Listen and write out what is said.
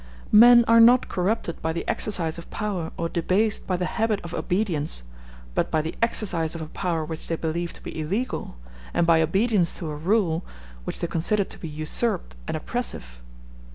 Men are not corrupted by the exercise of power or debased by the habit of obedience, but by the exercise of a power which they believe to be illegal and by obedience to a rule which they consider to be usurped and oppressive.